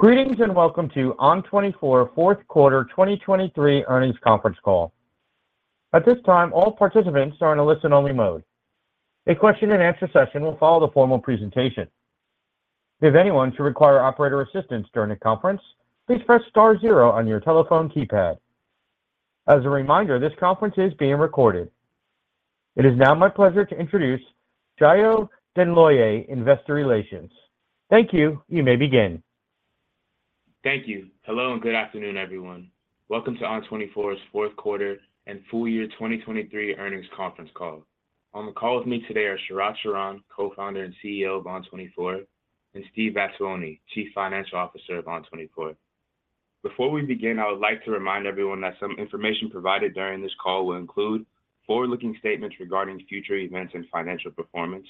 Greetings, and welcome to ON24 Q4 2023 Earnings Conference Call. At this time, all participants are in a listen-only mode. A question-and-answer session will follow the formal presentation. If anyone should require operator assistance during the conference, please press star zero on your telephone keypad. As a reminder, this conference is being recorded. It is now my pleasure to introduce Sayo Denloye, Investor Relations. Thank you. You may begin. Thank you. Hello, and good afternoon, everyone. Welcome to ON24's Q4 and full year 2023 earnings conference call. On the call with me today are Sharat Sharan, Co-founder and CEO of ON24, and Steve Vattuone, Chief Financial Officer of ON24. Before we begin, I would like to remind everyone that some information provided during this call will include forward-looking statements regarding future events and financial performance,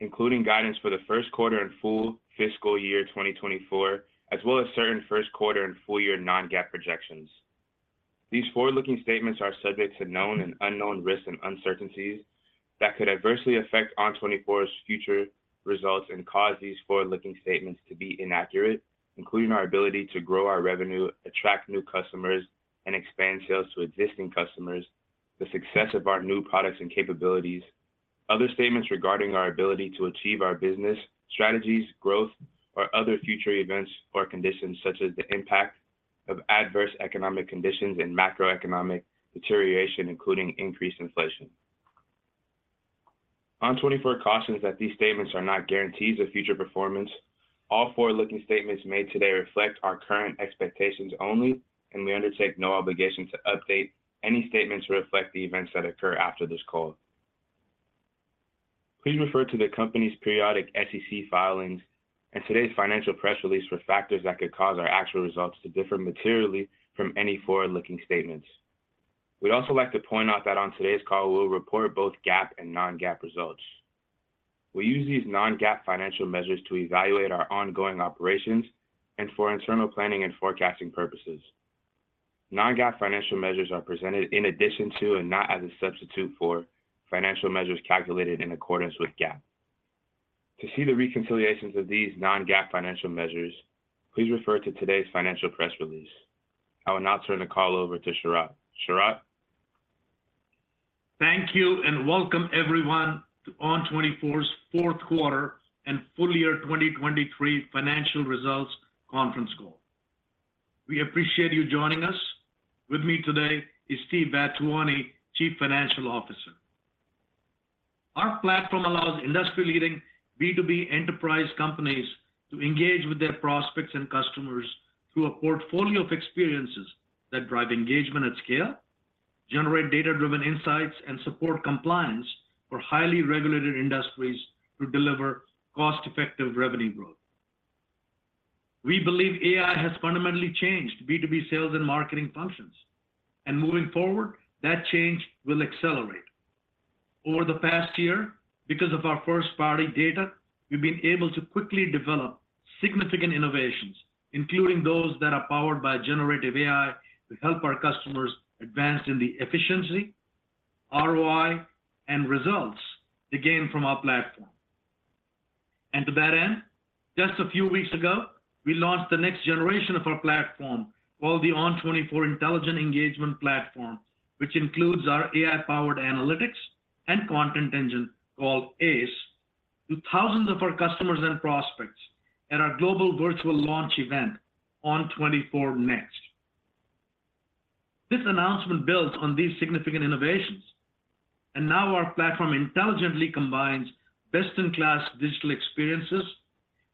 including guidance for the Q1 and full fiscal year 2024, as well as certain Q1 and full year non-GAAP projections. These forward-looking statements are subject to known and unknown risks and uncertainties that could adversely affect ON24's future results and cause these forward-looking statements to be inaccurate, including our ability to grow our revenue, attract new customers, and expand sales to existing customers, the success of our new products and capabilities. Other statements regarding our ability to achieve our business strategies, growth, or other future events or conditions, such as the impact of adverse economic conditions and macroeconomic deterioration, including increased inflation. ON24 cautions that these statements are not guarantees of future performance. All forward-looking statements made today reflect our current expectations only, and we undertake no obligation to update any statements to reflect the events that occur after this call. Please refer to the company's periodic SEC filings and today's financial press release for factors that could cause our actual results to differ materially from any forward-looking statements. We'd also like to point out that on today's call, we'll report both GAAP and non-GAAP results. We use these non-GAAP financial measures to evaluate our ongoing operations and for internal planning and forecasting purposes. Non-GAAP financial measures are presented in addition to, and not as a substitute for, financial measures calculated in accordance with GAAP. To see the reconciliations of these non-GAAP financial measures, please refer to today's financial press release. I will now turn the call over to Sharat. Sharat? Thank you, and welcome everyone to ON24's Q4 and full year 2023 financial results conference call. We appreciate you joining us. With me today is Steve Vattuone, Chief Financial Officer. Our platform allows industry-leading B2B enterprise companies to engage with their prospects and customers through a portfolio of experiences that drive engagement at scale, generate data-driven insights, and support compliance for highly regulated industries to deliver cost-effective revenue growth. We believe AI has fundamentally changed B2B sales and marketing functions, and moving forward, that change will accelerate. Over the past year, because of our first-party data, we've been able to quickly develop significant innovations, including those that are powered by generative AI, to help our customers advance in the efficiency, ROI, and results they gain from our platform. And to that end, just a few weeks ago, we launched the next generation of our platform, called the ON24 Intelligent Engagement Platform, which includes our AI-powered Analytics and Content Engine, called ACE, to thousands of our customers and prospects at our global virtual launch event, ON24 Next. This announcement builds on these significant innovations, and now our platform intelligently combines best-in-class digital experiences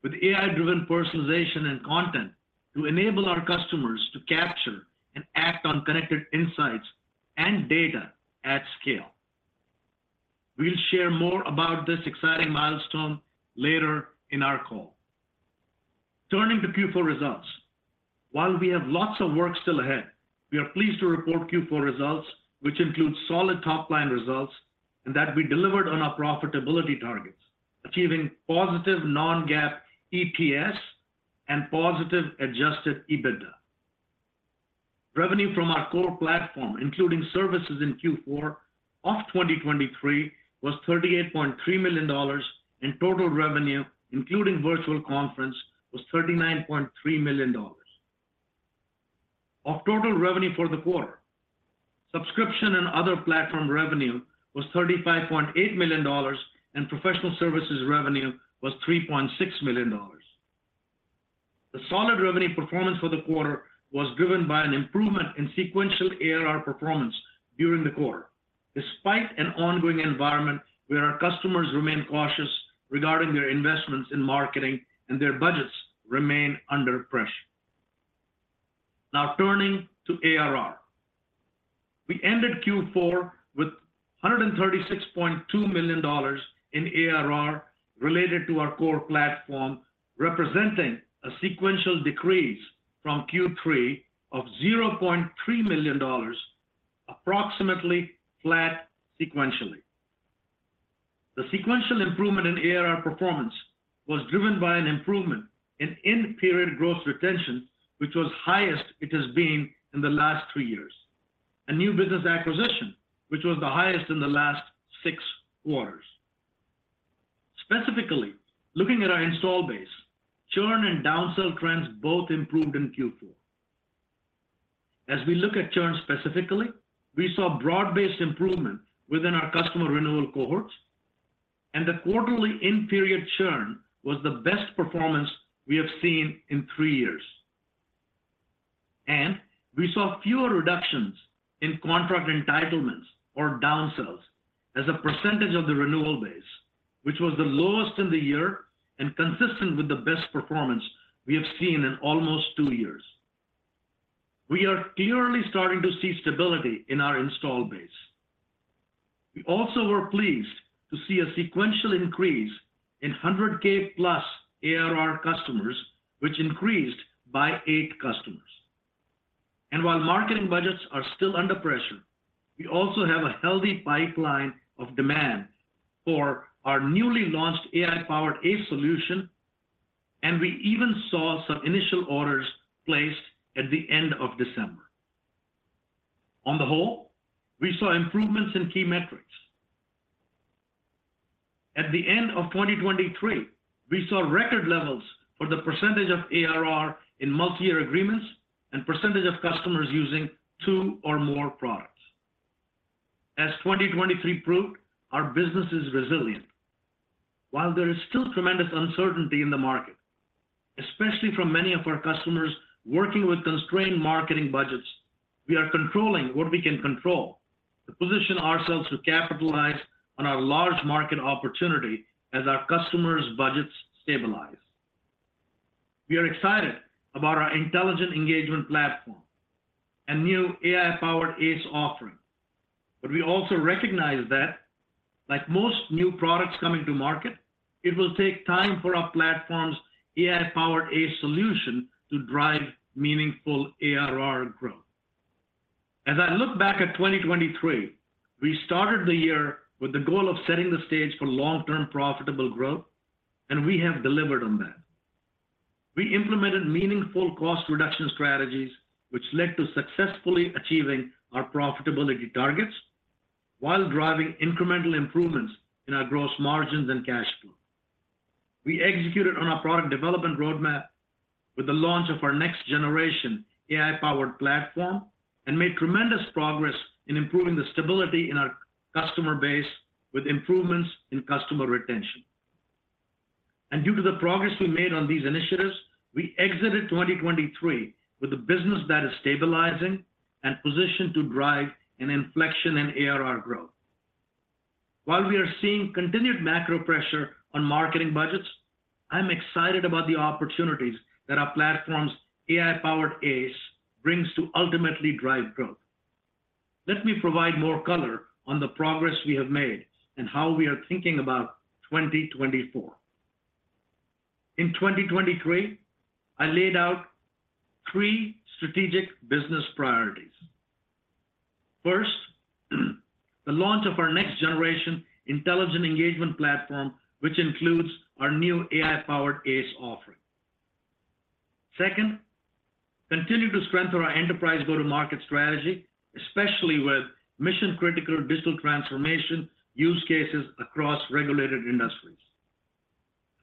with AI-driven personalization and content to enable our customers to capture and act on connected insights and data at scale. We'll share more about this exciting milestone later in our call. Turning to Q4 results, while we have lots of work still ahead, we are pleased to report Q4 results, which include solid top-line results, and that we delivered on our profitability targets, achieving positive non-GAAP EPS and positive Adjusted EBITDA. Revenue from our core platform, including services in Q4 of 2023, was $38.3 million, and total revenue, including virtual conference, was $39.3 million. Of total revenue for the quarter, subscription and other platform revenue was $35.8 million, and professional services revenue was $3.6 million. The solid revenue performance for the quarter was driven by an improvement in sequential ARR performance during the quarter, despite an ongoing environment where our customers remain cautious regarding their investments in marketing and their budgets remain under pressure. Now, turning to ARR. We ended Q4 with $136.2 million in ARR related to our core platform, representing a sequential decrease from Q3 of $0.3 million, approximately flat sequentially. The sequential improvement in ARR performance was driven by an improvement in in-period growth retention, which was highest it has been in the last 2 years. A new business acquisition, which was the highest in the last 6 quarters. Specifically, looking at our install base, churn and downsell trends both improved in Q4. As we look at churn specifically, we saw broad-based improvement within our customer renewal cohorts, and the quarterly in-period churn was the best performance we have seen in 3 years. And we saw fewer reductions in contract entitlements or downsells as a percentage of the renewal base, which was the lowest in the year and consistent with the best performance we have seen in almost 2 years. We are clearly starting to see stability in our install base. We also were pleased to see a sequential increase in 100K+ ARR customers, which increased by eight customers. And while marketing budgets are still under pressure, we also have a healthy pipeline of demand for our newly launched AI-powered ACE solution, and we even saw some initial orders placed at the end of December. On the whole, we saw improvements in key metrics. At the end of 2023, we saw record levels for the percentage of ARR in multi-year agreements and percentage of customers using two or more products. As 2023 proved, our business is resilient. While there is still tremendous uncertainty in the market, especially from many of our customers working with constrained marketing budgets, we are controlling what we can control to position ourselves to capitalize on our large market opportunity as our customers' budgets stabilize. We are excited about our Intelligent Engagement Platform and new AI-powered ACE offering, but we also recognize that, like most new products coming to market, it will take time for our platform's AI-powered ACE solution to drive meaningful ARR growth. As I look back at 2023, we started the year with the goal of setting the stage for long-term profitable growth, and we have delivered on that. We implemented meaningful cost reduction strategies, which led to successfully achieving our profitability targets while driving incremental improvements in our gross margins and cash flow. We executed on our product development roadmap with the launch of our next generation AI-powered platform and made tremendous progress in improving the stability in our customer base with improvements in customer retention. Due to the progress we made on these initiatives, we exited 2023 with a business that is stabilizing and positioned to drive an inflection in ARR growth. While we are seeing continued macro pressure on marketing budgets, I'm excited about the opportunities that our platform's AI-powered ACE brings to ultimately drive growth. Let me provide more color on the progress we have made and how we are thinking about 2024. In 2023, I laid out three strategic business priorities. First, the launch of our next generation Intelligent Engagement Platform, which includes our new AI-powered ACE offering. Second, continue to strengthen our enterprise go-to-market strategy, especially with mission-critical digital transformation use cases across regulated industries.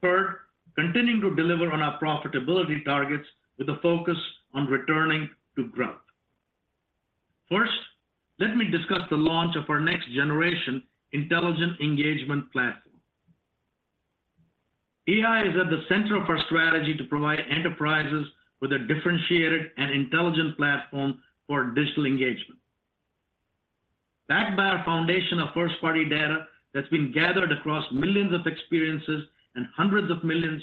Third, continuing to deliver on our profitability targets with a focus on returning to growth. First, let me discuss the launch of our next generation Intelligent Engagement Platform. AI is at the center of our strategy to provide enterprises with a differentiated and intelligent platform for digital engagement. Backed by our foundation of first-party data that's been gathered across millions of experiences and hundreds of millions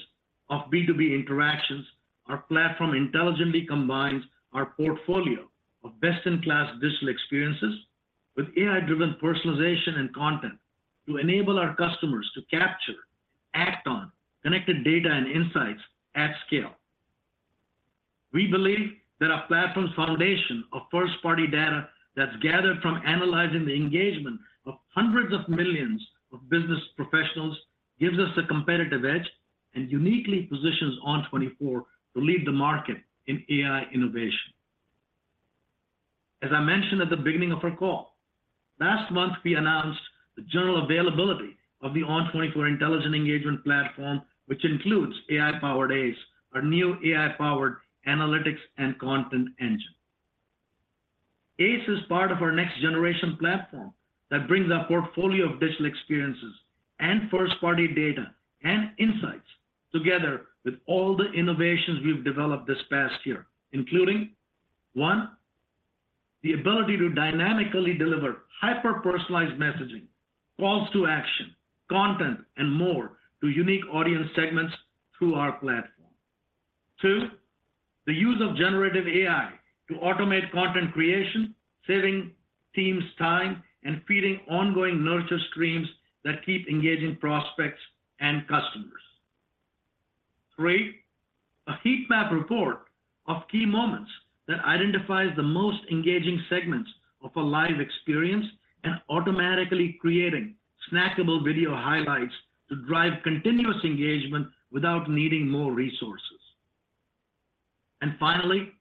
of B2B interactions, our platform intelligently combines our portfolio of best-in-class digital experiences with AI-driven personalization and content to enable our customers to capture, act on, connected data and insights at scale. We believe that our platform's foundation of first-party data that's gathered from analyzing the engagement of hundreds of millions of business professionals gives us a competitive edge, and uniquely positions ON24 to lead the market in AI innovation. As I mentioned at the beginning of our call, last month, we announced the general availability of the ON24 Intelligent Engagement Platform, which includes AI-powered ACE, our new AI-powered Analytics and Content Engine. ACE is part of our next generation platform that brings our portfolio of digital experiences and first-party data and insights together with all the innovations we've developed this past year, including, one, the ability to dynamically deliver hyper-personalized messaging, calls to action, content, and more to unique audience segments through our platform. Two, the use of generative AI to automate content creation, saving teams time and feeding ongoing nurture streams that keep engaging prospects and customers. Three, a heat map report of key moments that identifies the most engaging segments of a live experience, and automatically creating snackable video highlights to drive continuous engagement without needing more resources.... And finally,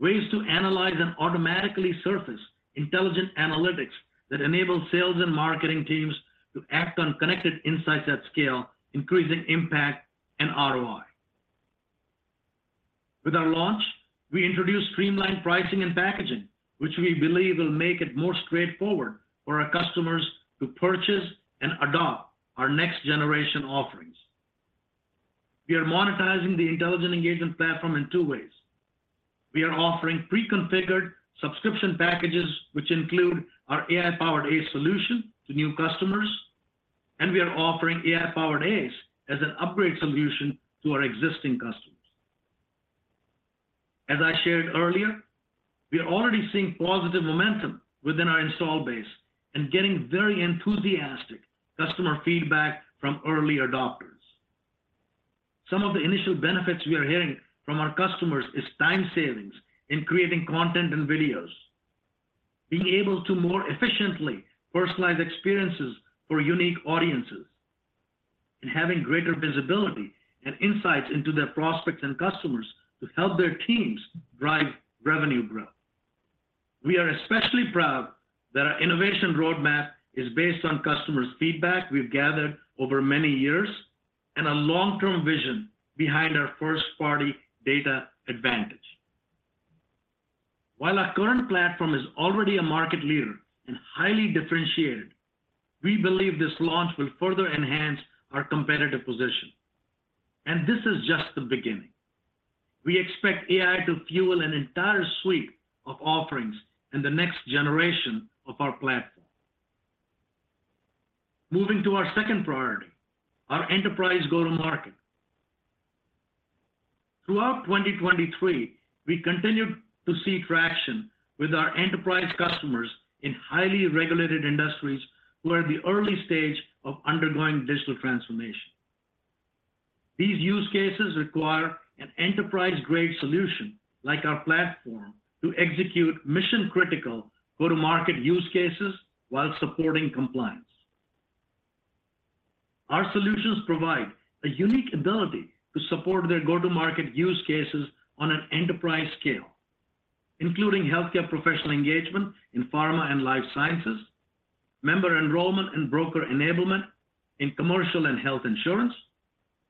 ways to analyze and automatically surface intelligent analytics that enable sales and marketing teams to act on connected insights at scale, increasing impact and ROI. With our launch, we introduced streamlined pricing and packaging, which we believe will make it more straightforward for our customers to purchase and adopt our next generation offerings. We are monetizing the Intelligent Engagement Platform in two ways. We are offering pre-configured subscription packages, which include our AI-powered ACE solution to new customers, and we are offering AI-powered ACE as an upgrade solution to our existing customers. As I shared earlier, we are already seeing positive momentum within our install base and getting very enthusiastic customer feedback from early adopters. Some of the initial benefits we are hearing from our customers is time savings in creating content and videos, being able to more efficiently personalize experiences for unique audiences, and having greater visibility and insights into their prospects and customers to help their teams drive revenue growth. We are especially proud that our innovation roadmap is based on customers' feedback we've gathered over many years, and a long-term vision behind our first-party data advantage. While our current platform is already a market leader and highly differentiated, we believe this launch will further enhance our competitive position, and this is just the beginning. We expect AI to fuel an entire suite of offerings in the next generation of our platform. Moving to our second priority, our enterprise go-to-market. Throughout 2023, we continued to see traction with our enterprise customers in highly regulated industries who are at the early stage of undergoing digital transformation. These use cases require an enterprise-grade solution, like our platform, to execute mission-critical go-to-market use cases while supporting compliance. Our solutions provide a unique ability to support their go-to-market use cases on an enterprise scale, including healthcare professional engagement in pharma and life sciences, member enrollment and broker enablement in commercial and health insurance,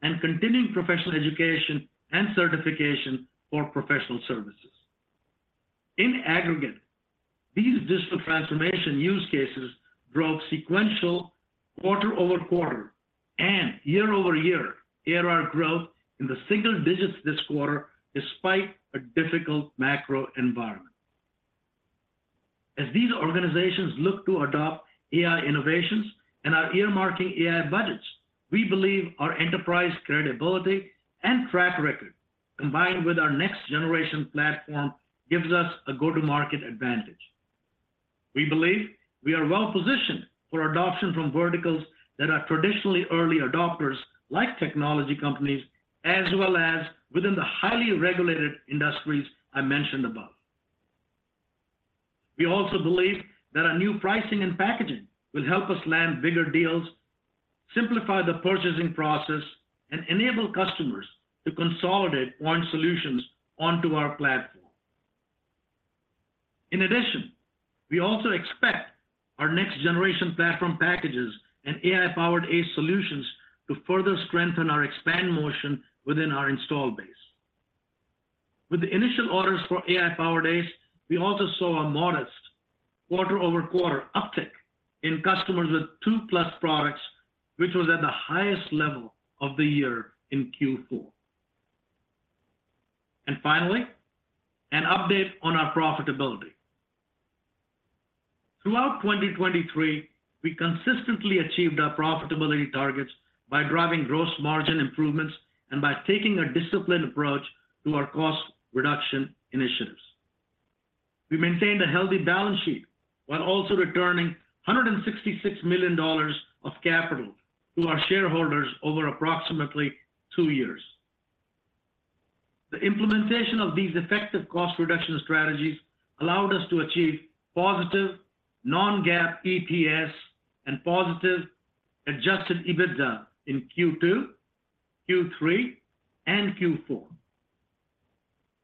and continuing professional education and certification for professional services. In aggregate, these digital transformation use cases drove sequential quarter-over-quarter and year-over-year ARR growth in the single digits this quarter, despite a difficult macro environment. As these organizations look to adopt AI innovations and are earmarking AI budgets, we believe our enterprise credibility and track record, combined with our next generation platform, gives us a go-to-market advantage. We believe we are well positioned for adoption from verticals that are traditionally early adopters, like technology companies, as well as within the highly regulated industries I mentioned above. We also believe that our new pricing and packaging will help us land bigger deals, simplify the purchasing process, and enable customers to consolidate ON24 solutions onto our platform. In addition, we also expect our next generation platform packages and AI-powered ACE solutions to further strengthen our expand motion within our install base. With the initial orders for AI-powered ACE, we also saw a modest quarter-over-quarter uptick in customers with two-plus products, which was at the highest level of the year in Q4. Finally, an update on our profitability. Throughout 2023, we consistently achieved our profitability targets by driving gross margin improvements and by taking a disciplined approach to our cost reduction initiatives. We maintained a healthy balance sheet while also returning $166 million of capital to our shareholders over approximately two years. The implementation of these effective cost reduction strategies allowed us to achieve positive non-GAAP EPS and positive Adjusted EBITDA in Q2, Q3, and Q4.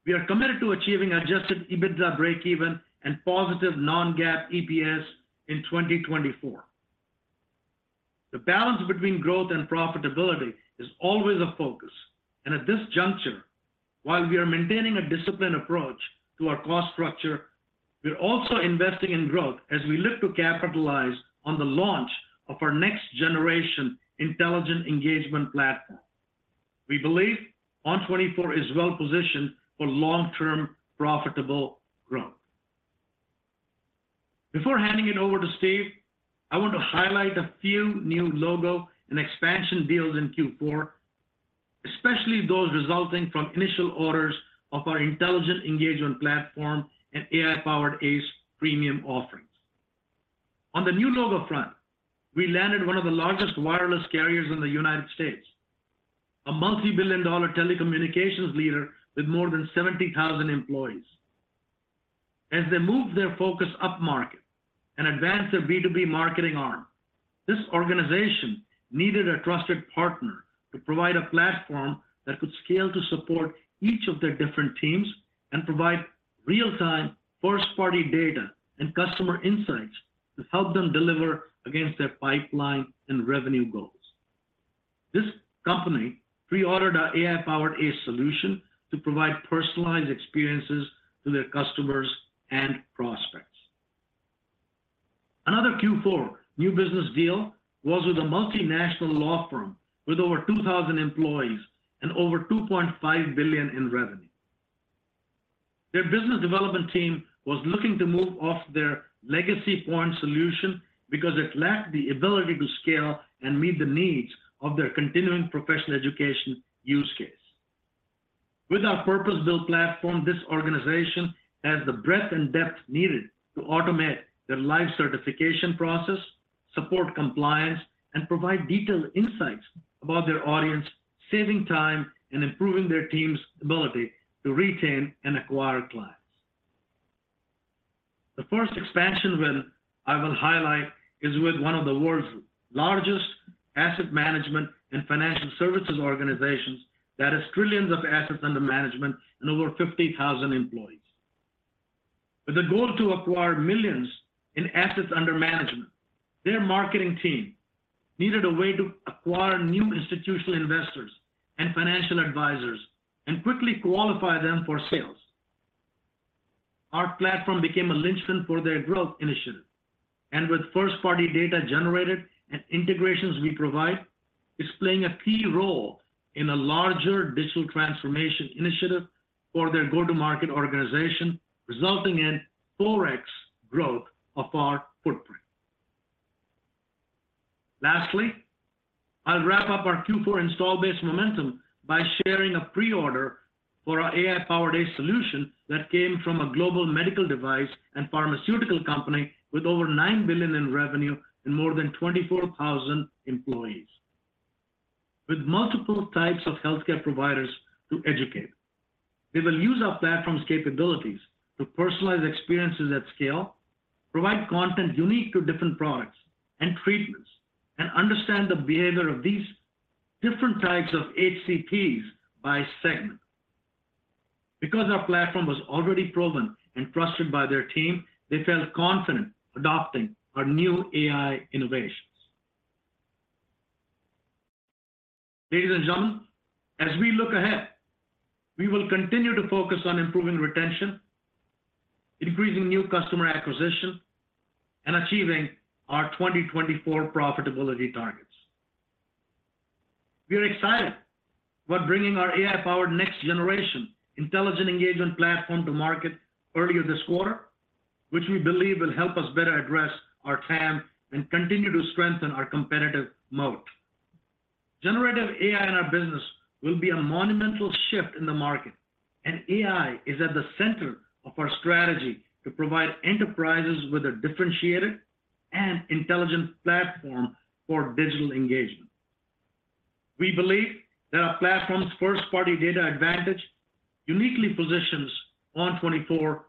We are committed to achieving Adjusted EBITDA breakeven and positive non-GAAP EPS in 2024. The balance between growth and profitability is always a focus, and at this juncture, while we are maintaining a disciplined approach to our cost structure, we are also investing in growth as we look to capitalize on the launch of our next generation Intelligent Engagement Platform. We believe ON24 is well positioned for long-term, profitable growth. Before handing it over to Steve, I want to highlight a few new logo and expansion deals in Q4, especially those resulting from initial orders of our Intelligent Engagement Platform and AI-powered ACE premium offerings. On the new logo front, we landed one of the largest wireless carriers in the United States, a multi-billion-dollar telecommunications leader with more than 70,000 employees. As they move their focus upmarket and advance their B2B marketing arm, this organization needed a trusted partner to provide a platform that could scale to support each of their different teams and provide real-time, first-party data and customer insights to help them deliver against their pipeline and revenue goals. This company pre-ordered our AI-powered ACE solution to provide personalized experiences to their customers and prospects. Another Q4 new business deal was with a multinational law firm with over 2,000 employees and over $2.5 billion in revenue. Their business development team was looking to move off their legacy point solution because it lacked the ability to scale and meet the needs of their continuing professional education use case. With our purpose-built platform, this organization has the breadth and depth needed to automate their live certification process, support compliance, and provide detailed insights about their audience, saving time and improving their team's ability to retain and acquire clients. The first expansion win I will highlight is with one of the world's largest asset management and financial services organizations that has trillions of assets under management and over 50,000 employees. With a goal to acquire millions in assets under management, their marketing team needed a way to acquire new institutional investors and financial advisors and quickly qualify them for sales. Our platform became a linchpin for their growth initiative, and with first-party data generated and integrations we provide, it's playing a key role in a larger digital transformation initiative for their go-to-market organization, resulting in 4x growth of our footprint. Lastly, I'll wrap up our Q4 install base momentum by sharing a pre-order for our AI-powered ACE solution that came from a global medical device and pharmaceutical company with over $9 billion in revenue and more than 24,000 employees. With multiple types of healthcare providers to educate, they will use our platform's capabilities to personalize experiences at scale, provide content unique to different products and treatments, and understand the behavior of these different types of HCPs by segment. Because our platform was already proven and trusted by their team, they felt confident adopting our new AI innovations. Ladies and gentlemen, as we look ahead, we will continue to focus on improving retention, increasing new customer acquisition, and achieving our 2024 profitability targets. We are excited about bringing our AI-powered, next-generation Intelligent Engagement Platform to market earlier this quarter, which we believe will help us better address our TAM and continue to strengthen our competitive moat. Generative AI in our business will be a monumental shift in the market, and AI is at the center of our strategy to provide enterprises with a differentiated and intelligent platform for digital engagement. We believe that our platform's first-party data advantage uniquely positions ON24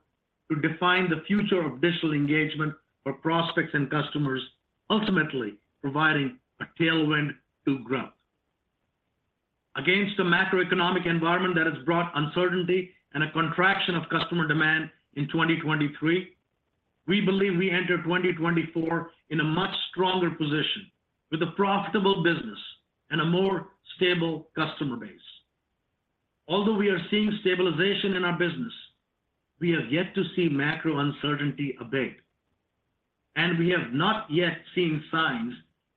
to define the future of digital engagement for prospects and customers, ultimately providing a tailwind to growth. Against a macroeconomic environment that has brought uncertainty and a contraction of customer demand in 2023, we believe we enter 2024 in a much stronger position, with a profitable business and a more stable customer base. Although we are seeing stabilization in our business, we have yet to see macro uncertainty abate, and we have not yet seen signs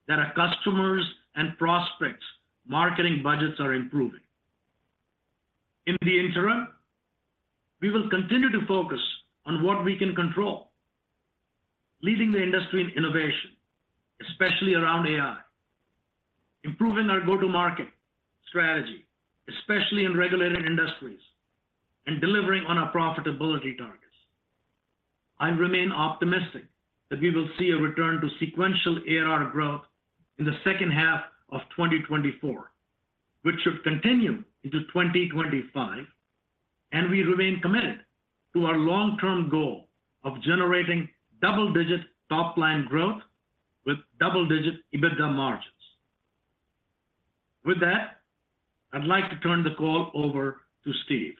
that our customers' and prospects' marketing budgets are improving. In the interim, we will continue to focus on what we can control: leading the industry in innovation, especially around AI, improving our go-to-market strategy, especially in regulated industries, and delivering on our profitability targets. I remain optimistic that we will see a return to sequential ARR growth in the second half of 2024, which should continue into 2025, and we remain committed to our long-term goal of generating double-digit top-line growth with double-digit EBITDA margins. With that, I'd like to turn the call over to Steve.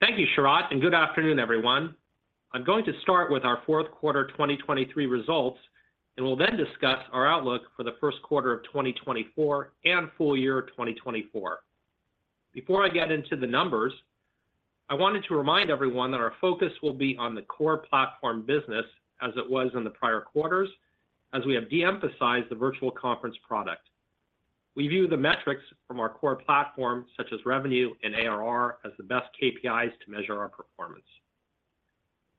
Thank you, Sharat, and good afternoon, everyone. I'm going to start with our Q4 2023 results, and will then discuss our outlook for the Q1 of 2024 and full year 2024. Before I get into the numbers, I wanted to remind everyone that our focus will be on the core platform business as it was in the prior quarters, as we have de-emphasized the virtual conference product. We view the metrics from our core platform, such as revenue and ARR, as the best KPIs to measure our performance.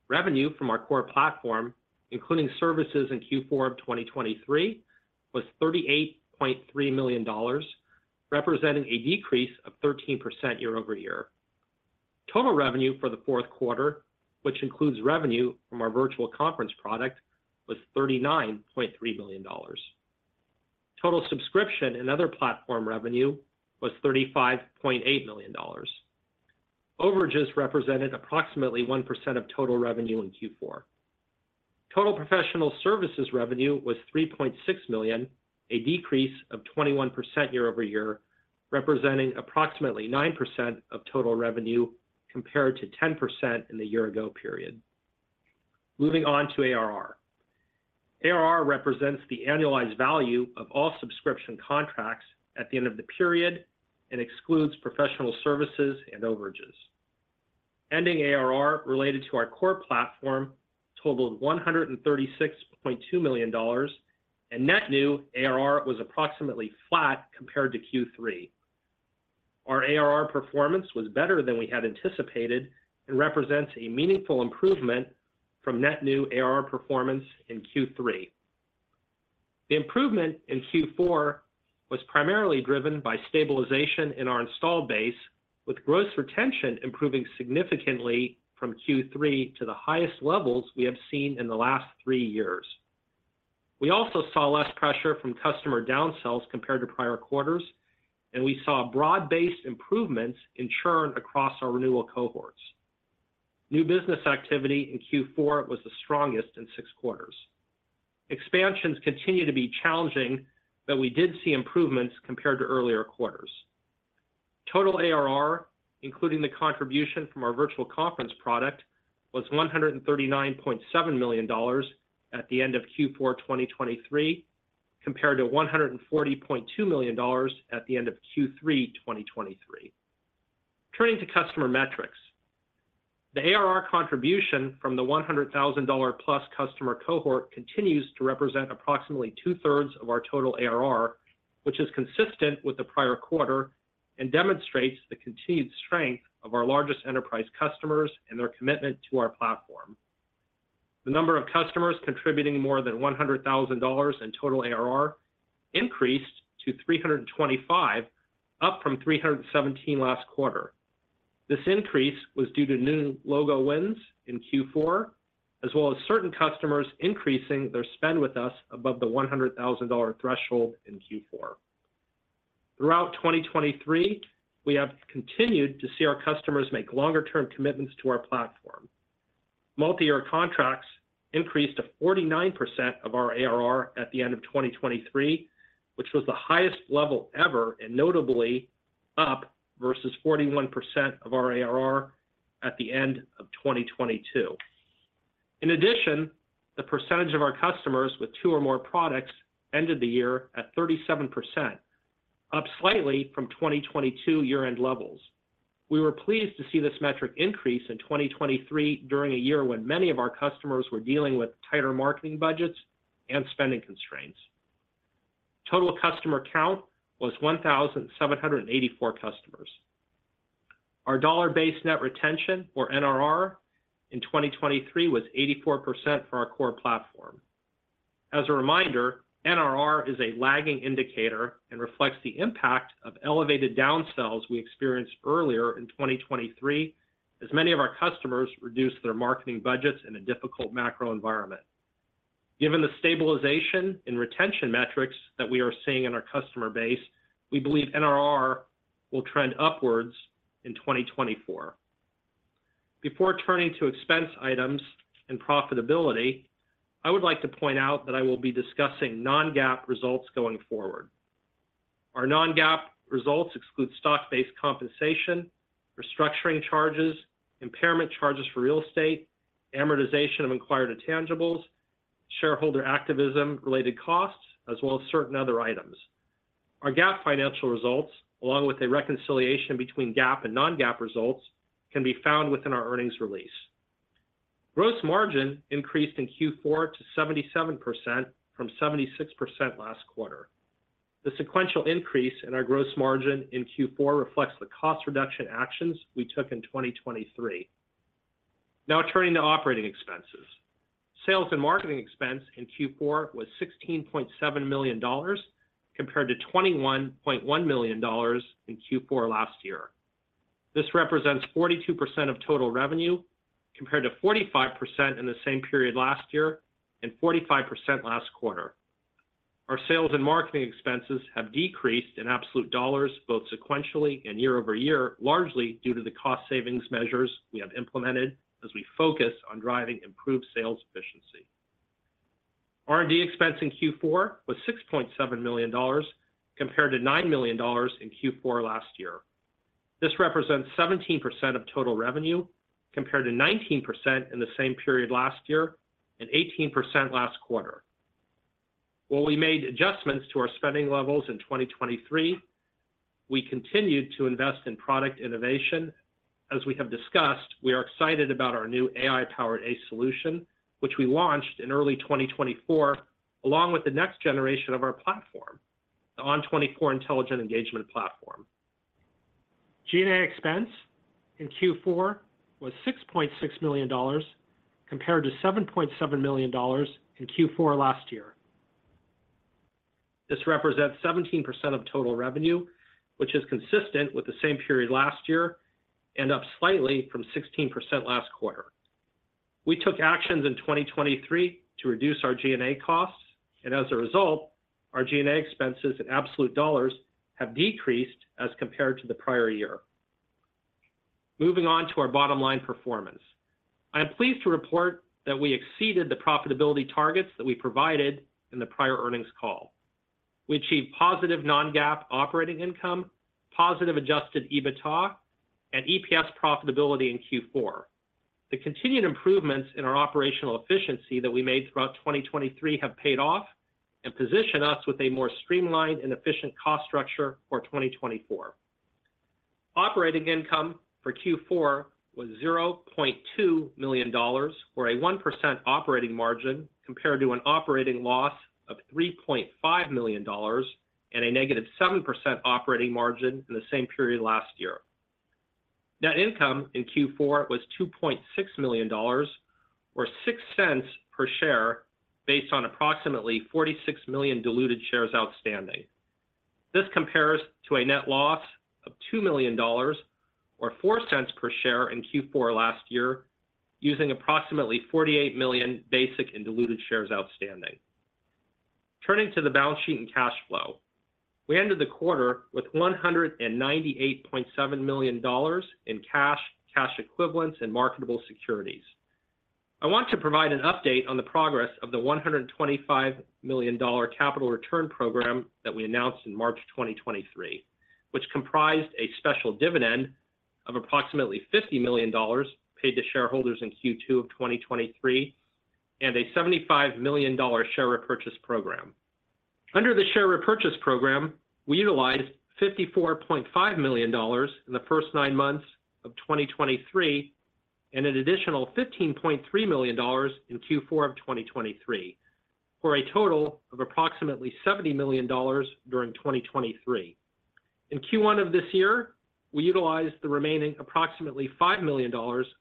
Revenue from our core platform, including services in Q4 of 2023, was $38.3 million, representing a decrease of 13% year-over-year. Total revenue for the Q4, which includes revenue from our virtual conference product, was $39.3 million.... Total subscription and other platform revenue was $35.8 million. Overages represented approximately 1% of total revenue in Q4. Total professional services revenue was $3.6 million, a decrease of 21% year-over-year, representing approximately 9% of total revenue, compared to 10% in the year ago period. Moving on to ARR. ARR represents the annualized value of all subscription contracts at the end of the period and excludes professional services and overages. Ending ARR related to our core platform totaled $136.2 million, and net new ARR was approximately flat compared to Q3. Our ARR performance was better than we had anticipated and represents a meaningful improvement from net new ARR performance in Q3. The improvement in Q4 was primarily driven by stabilization in our installed base, with gross retention improving significantly from Q3 to the highest levels we have seen in the last three years. We also saw less pressure from customer downsells compared to prior quarters, and we saw broad-based improvements in churn across our renewal cohorts. New business activity in Q4 was the strongest in six quarters. Expansions continue to be challenging, but we did see improvements compared to earlier quarters. Total ARR, including the contribution from our virtual conference product, was $139.7 million at the end of Q4 2023, compared to $140.2 million at the end of Q3 2023. Turning to customer metrics. The ARR contribution from the $100,000+ customer cohort continues to represent approximately two-thirds of our total ARR, which is consistent with the prior quarter and demonstrates the continued strength of our largest enterprise customers and their commitment to our platform. The number of customers contributing more than $100,000 in total ARR increased to 325, up from 317 last quarter. This increase was due to new logo wins in Q4, as well as certain customers increasing their spend with us above the $100,000 threshold in Q4. Throughout 2023, we have continued to see our customers make longer-term commitments to our platform. Multi-year contracts increased to 49% of our ARR at the end of 2023, which was the highest level ever, and notably up versus 41% of our ARR at the end of 2022. In addition, the percentage of our customers with two or more products ended the year at 37%, up slightly from 2022 year-end levels. We were pleased to see this metric increase in 2023 during a year when many of our customers were dealing with tighter marketing budgets and spending constraints. Total customer count was 1,784 customers. Our dollar-based net retention, or NRR, in 2023 was 84% for our core platform. As a reminder, NRR is a lagging indicator and reflects the impact of elevated downsells we experienced earlier in 2023, as many of our customers reduced their marketing budgets in a difficult macro environment. Given the stabilization in retention metrics that we are seeing in our customer base, we believe NRR will trend upwards in 2024. Before turning to expense items and profitability, I would like to point out that I will be discussing non-GAAP results going forward. Our non-GAAP results exclude stock-based compensation, restructuring charges, impairment charges for real estate, amortization of acquired intangibles, shareholder activism related costs, as well as certain other items. Our GAAP financial results, along with a reconciliation between GAAP and non-GAAP results, can be found within our earnings release. Gross margin increased in Q4 to 77% from 76% last quarter. The sequential increase in our gross margin in Q4 reflects the cost reduction actions we took in 2023. Now turning to operating expenses. Sales and marketing expense in Q4 was $16.7 million, compared to $21.1 million in Q4 last year. This represents 42% of total revenue, compared to 45% in the same period last year and 45% last quarter. Our sales and marketing expenses have decreased in absolute dollars, both sequentially and year-over-year, largely due to the cost savings measures we have implemented as we focus on driving improved sales efficiency. R&D expense in Q4 was $6.7 million, compared to $9 million in Q4 last year. This represents 17% of total revenue, compared to 19% in the same period last year and 18% last quarter. While we made adjustments to our spending levels in 2023, we continued to invest in product innovation. As we have discussed, we are excited about our new AI-powered ACE solution, which we launched in early 2024, along with the next generation of our platform, the ON24 Intelligent Engagement Platform. G&A expense in Q4 was $6.6 million, compared to $7.7 million in Q4 last year. This represents 17% of total revenue, which is consistent with the same period last year and up slightly from 16% last quarter. We took actions in 2023 to reduce our G&A costs, and as a result, our G&A expenses in absolute dollars have decreased as compared to the prior year. Moving on to our bottom line performance. I am pleased to report that we exceeded the profitability targets that we provided in the prior earnings call. We achieved positive non-GAAP operating income, positive adjusted EBITDA, and EPS profitability in Q4. The continued improvements in our operational efficiency that we made throughout 2023 have paid off and position us with a more streamlined and efficient cost structure for 2024. Operating income for Q4 was $0.2 million, or a 1% operating margin, compared to an operating loss of $3.5 million and a negative 7% operating margin in the same period last year. Net income in Q4 was $2.6 million, or $0.06 per share, based on approximately 46 million diluted shares outstanding. This compares to a net loss of $2 million, or $0.04 per share, in Q4 last year, using approximately 48 million basic and diluted shares outstanding. Turning to the balance sheet and cash flow. We ended the quarter with $198.7 million in cash, cash equivalents, and marketable securities. I want to provide an update on the progress of the $125 million capital return program that we announced in March 2023, which comprised a special dividend of approximately $50 million paid to shareholders in Q2 of 2023, and a $75 million share repurchase program. Under the share repurchase program, we utilized $54.5 million in the first nine months of 2023, and an additional $15.3 million in Q4 of 2023, for a total of approximately $70 million during 2023. In Q1 of this year, we utilized the remaining approximately $5 million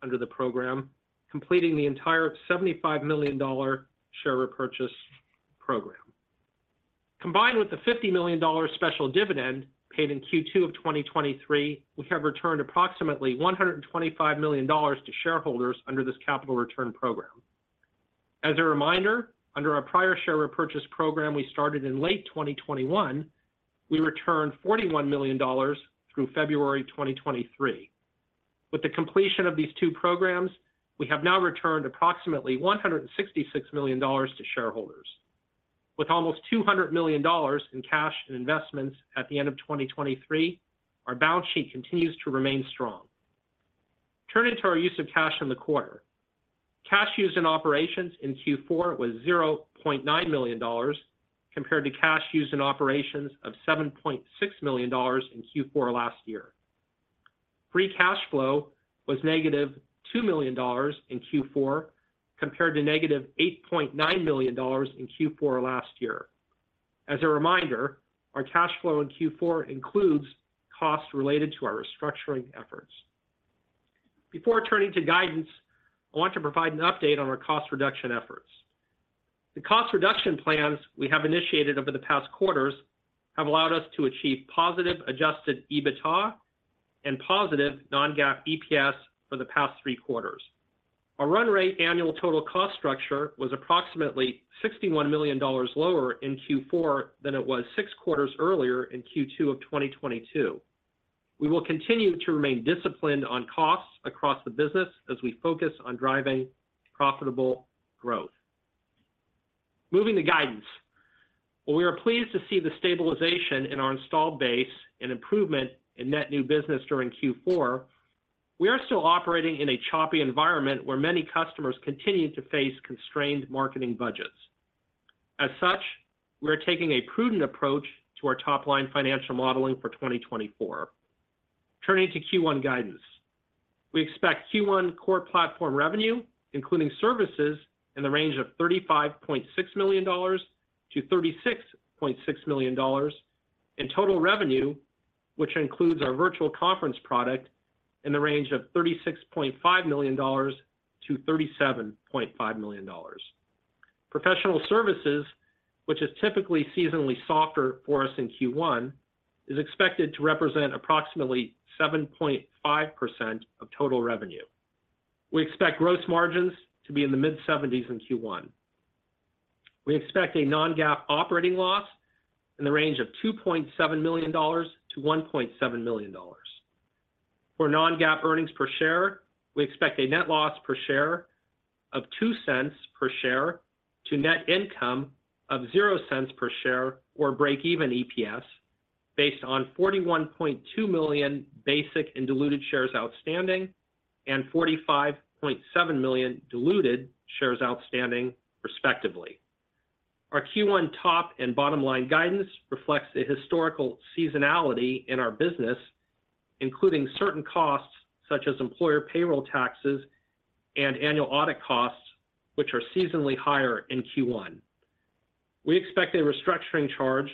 under the program, completing the entire $75 million-dollar share repurchase program. Combined with the $50 million special dividend paid in Q2 of 2023, we have returned approximately $125 million to shareholders under this capital return program. As a reminder, under our prior share repurchase program we started in late 2021, we returned $41 million through February 2023. With the completion of these two programs, we have now returned approximately $166 million to shareholders. With almost $200 million in cash and investments at the end of 2023, our balance sheet continues to remain strong. Turning to our use of cash in the quarter. Cash used in operations in Q4 was $0.9 million, compared to cash used in operations of $7.6 million in Q4 last year. Free cash flow was -$2 million in Q4, compared to -$8.9 million in Q4 last year. As a reminder, our cash flow in Q4 includes costs related to our restructuring efforts. Before turning to guidance, I want to provide an update on our cost reduction efforts. The cost reduction plans we have initiated over the past quarters have allowed us to achieve positive Adjusted EBITDA and positive non-GAAP EPS for the past three quarters. Our run rate annual total cost structure was approximately $61 million lower in Q4 than it was six quarters earlier in Q2 of 2022. We will continue to remain disciplined on costs across the business as we focus on driving profitable growth. Moving to guidance. While we are pleased to see the stabilization in our installed base and improvement in net new business during Q4, we are still operating in a choppy environment where many customers continue to face constrained marketing budgets. As such, we are taking a prudent approach to our top-line financial modeling for 2024. Turning to Q1 guidance. We expect Q1 core platform revenue, including services, in the range of $35.6-$36.6 million, and total revenue, which includes our virtual conference product, in the range of $36.5-$37.5 million. Professional services, which is typically seasonally softer for us in Q1, is expected to represent approximately 7.5% of total revenue. We expect gross margins to be in the mid-70s in Q1. We expect a non-GAAP operating loss in the range of $2.7-$1.7 million. For non-GAAP earnings per share, we expect a net loss per share of $0.02 per share to net income of $0.00 per share or break-even EPS, based on 41.2 million basic and diluted shares outstanding and 45.7 million diluted shares outstanding, respectively. Our Q1 top and bottom line guidance reflects the historical seasonality in our business, including certain costs such as employer payroll taxes and annual audit costs, which are seasonally higher in Q1. We expect a restructuring charge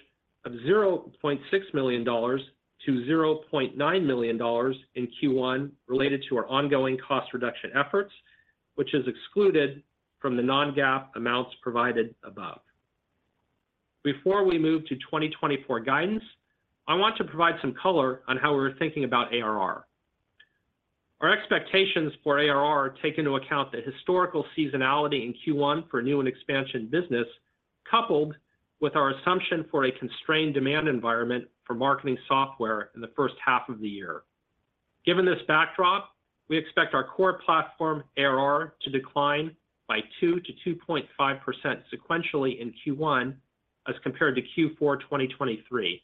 of $0.6-$0.9 million in Q1 related to our ongoing cost reduction efforts, which is excluded from the non-GAAP amounts provided above. Before we move to 2024 guidance, I want to provide some color on how we're thinking about ARR. Our expectations for ARR take into account the historical seasonality in Q1 for new and expansion business, coupled with our assumption for a constrained demand environment for marketing software in the first half of the year. Given this backdrop, we expect our core platform ARR to decline by 2%-2.5% sequentially in Q1 as compared to Q4 2023.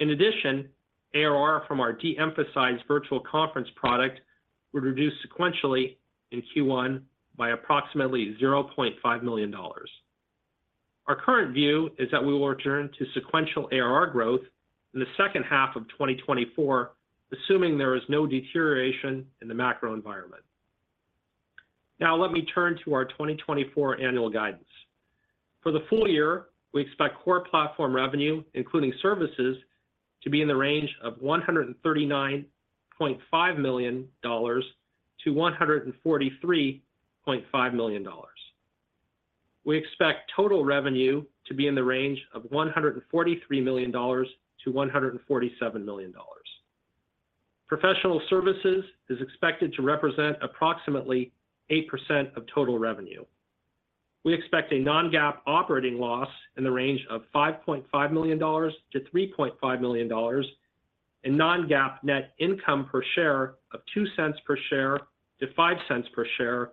In addition, ARR from our de-emphasized virtual conference product would reduce sequentially in Q1 by approximately $0.5 million. Our current view is that we will return to sequential ARR growth in the second half of 2024, assuming there is no deterioration in the macro environment. Now, let me turn to our 2024 annual guidance. For the full year, we expect core platform revenue, including services, to be in the range of $139.5-$143.5 million. We expect total revenue to be in the range of $143-$147 million. Professional services is expected to represent approximately 8% of total revenue. We expect a non-GAAP operating loss in the range of $5.5-$3.5 million, and non-GAAP net income per share of $0.02-$0.05 per share,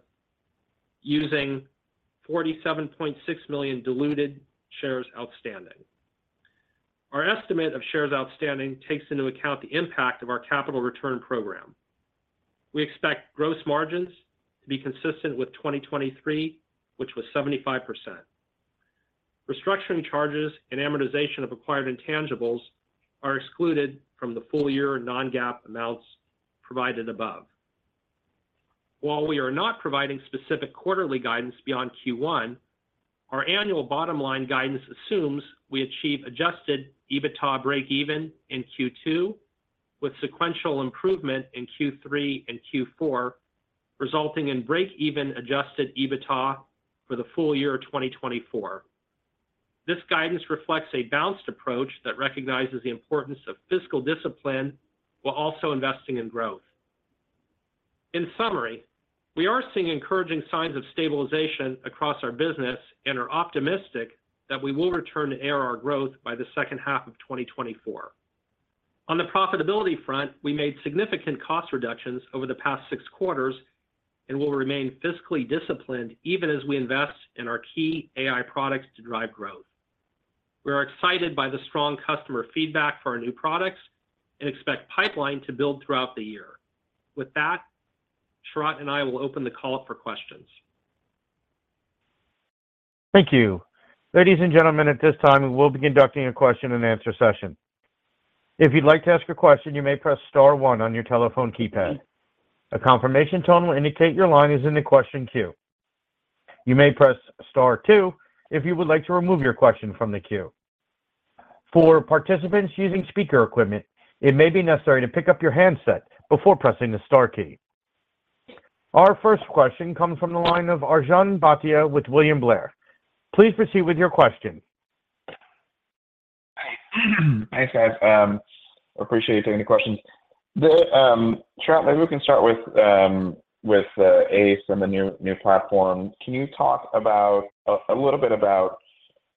using 47.6 million diluted shares outstanding. Our estimate of shares outstanding takes into account the impact of our capital return program. We expect gross margins to be consistent with 2023, which was 75%. Restructuring charges and amortization of acquired intangibles are excluded from the full year non-GAAP amounts provided above. While we are not providing specific quarterly guidance beyond Q1, our annual bottom-line guidance assumes we achieve Adjusted EBITDA breakeven in Q2, with sequential improvement in Q3 and Q4, resulting in breakeven Adjusted EBITDA for the full year 2024. This guidance reflects a balanced approach that recognizes the importance of fiscal discipline while also investing in growth. In summary, we are seeing encouraging signs of stabilization across our business and are optimistic that we will return to ARR growth by the second half of 2024. On the profitability front, we made significant cost reductions over the past six quarters and will remain fiscally disciplined even as we invest in our key AI products to drive growth. We are excited by the strong customer feedback for our new products and expect pipeline to build throughout the year. With that, Sharat and I will open the call up for questions. Thank you. Ladies and gentlemen, at this time, we will be conducting a question and answer session. If you'd like to ask a question, you may press star one on your telephone keypad. A confirmation tone will indicate your line is in the question queue. You may press star two if you would like to remove your question from the queue. For participants using speaker equipment, it may be necessary to pick up your handset before pressing the star key. Our first question comes from the line of Arjun Bhatia with William Blair. Please proceed with your question. Thanks, guys. Appreciate you taking the questions. Sharat, maybe we can start with ACE and the new platform. Can you talk about a little bit about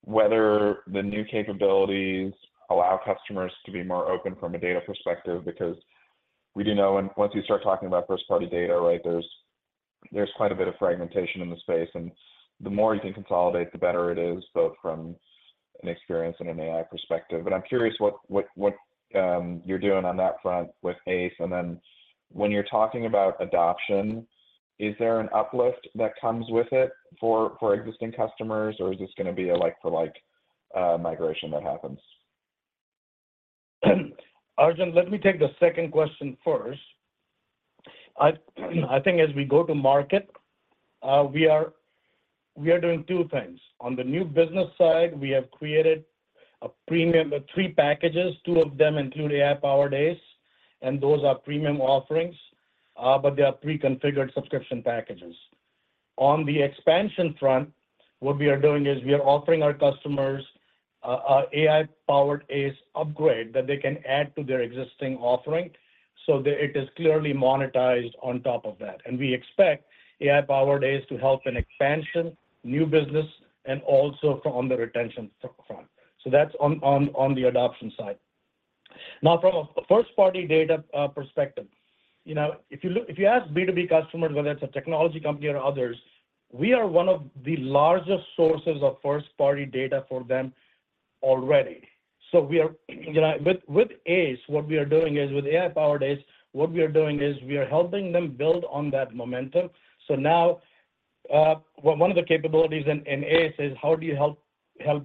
whether the new capabilities allow customers to be more open from a data perspective? Because we do know, and once you start talking about first-party data, right, there's quite a bit of fragmentation in the space, and the more you can consolidate, the better it is, both from an experience and an AI perspective. But I'm curious what you're doing on that front with ACE, and then when you're talking about adoption, is there an uplift that comes with it for existing customers, or is this gonna be a like-for-like migration that happens? Arjun, let me take the second question first. I, I think as we go to market, we are, we are doing two things. On the new business side, we have created a premium, the three packages, two of them include AI-powered ACE, and those are premium offerings, but they are preconfigured subscription packages. On the expansion front, what we are doing is we are offering our customers a, a AI-powered ACE upgrade that they can add to their existing offering, so that it is clearly monetized on top of that. And we expect AI-powered ACE to help in expansion, new business, and also on the retention front. So that's on the adoption side. Now, from a first-party data perspective, you know, if you look... If you ask B2B customers, whether it's a technology company or others, we are one of the largest sources of first-party data for them already. So we are, you know, with ACE, what we are doing is with AI-powered ACE, what we are doing is we are helping them build on that momentum. So now, one of the capabilities in ACE is how do you help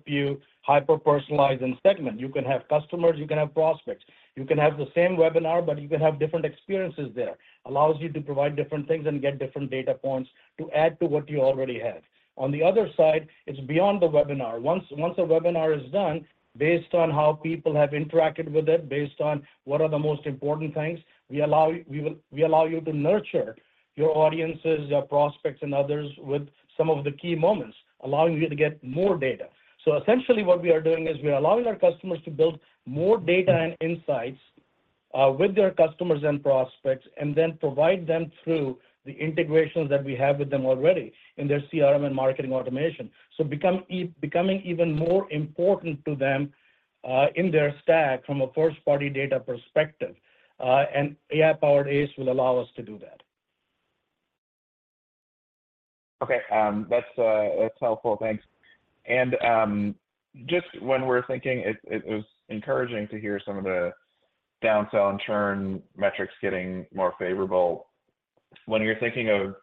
you hyper-personalize and segment. You can have customers, you can have prospects, you can have the same webinar, but you can have different experiences there. Allows you to provide different things and get different data points to add to what you already have. On the other side, it's beyond the webinar. Once a webinar is done, based on how people have interacted with it, based on what are the most important things, we allow you to nurture your audiences, your prospects, and others with some of the key moments, allowing you to get more data. So essentially, what we are doing is we are allowing our customers to build more data and insights with their customers and prospects, and then provide them through the integrations that we have with them already in their CRM and marketing automation. So becoming even more important to them in their stack from a first-party data perspective. And AI-powered ACE will allow us to do that. Okay, that's helpful. Thanks. And just when we're thinking, it was encouraging to hear some of the downsell and churn metrics getting more favorable. When you're thinking of,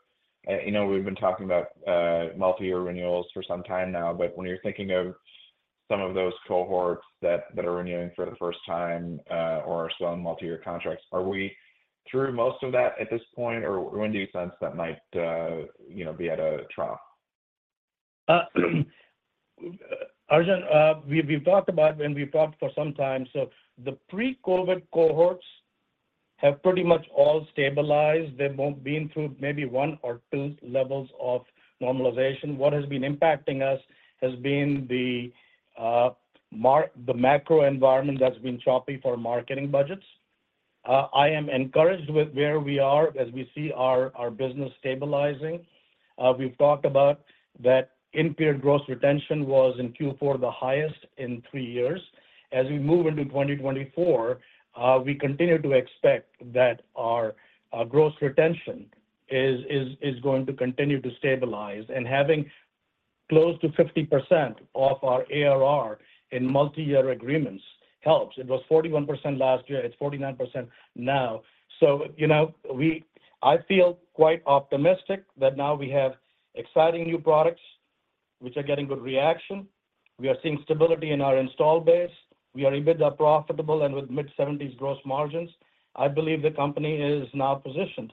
you know, we've been talking about multi-year renewals for some time now, but when you're thinking of some of those cohorts that are renewing for the first time, or are selling multi-year contracts, are we through most of that at this point, or when do you sense that might, you know, be at a trough? Arjun, we've talked about and we've talked for some time. So the pre-COVID cohorts have pretty much all stabilized. They've been through maybe one or two levels of normalization. What has been impacting us has been the macro environment that's been choppy for marketing budgets. I am encouraged with where we are as we see our business stabilizing. We've talked about that in-period gross retention was, in Q4, the highest in three years. As we move into 2024, we continue to expect that our gross retention is going to continue to stabilize, and having close to 50% of our ARR in multi-year agreements helps. It was 41% last year. It's 49% now. So you know, I feel quite optimistic that now we have exciting new products which are getting good reaction. We are seeing stability in our installed base. We are EBITDA profitable and with mid-70s gross margins. I believe the company is now positioned,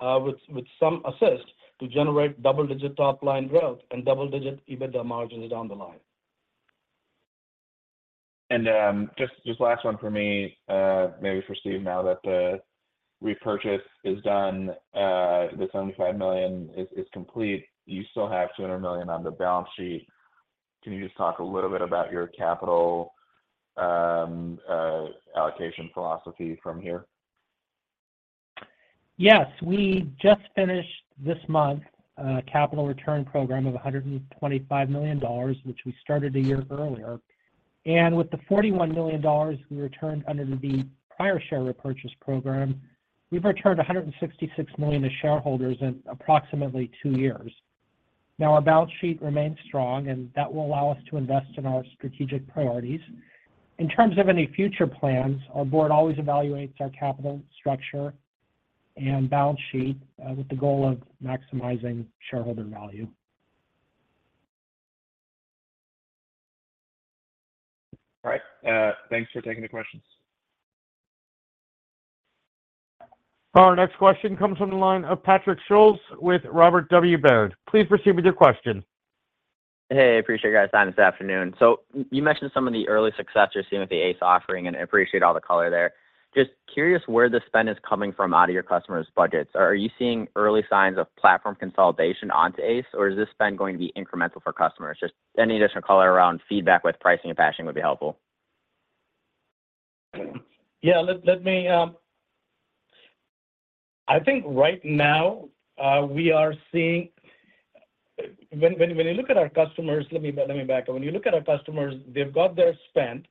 with some assist, to generate double-digit top-line growth and double-digit EBITDA margins down the line. Just last one for me, maybe for Steve. Now that the repurchase is done, the $75 million is complete, you still have $200 million on the balance sheet. Can you just talk a little bit about your capital allocation philosophy from here? Yes, we just finished this month, capital return program of $125 million, which we started a year earlier. And with the $41 million we returned under the prior share repurchase program, we've returned $166 million to shareholders in approximately two years. Now, our balance sheet remains strong, and that will allow us to invest in our strategic priorities. In terms of any future plans, our board always evaluates our capital structure and balance sheet, with the goal of maximizing shareholder value. All right. Thanks for taking the questions. Our next question comes from the line of Patrick Schulz with Robert W. Baird. Please proceed with your question. Hey, appreciate you guys' time this afternoon. So you mentioned some of the early success you're seeing with the ACE offering, and I appreciate all the color there. Just curious where the spend is coming from out of your customers' budgets. Are you seeing early signs of platform consolidation onto ACE, or is this spend going to be incremental for customers? Just any additional color around feedback with pricing and passion would be helpful. Yeah, let me. I think right now, we are seeing. When you look at our customers. Let me back up. When you look at our customers, they've got their spend,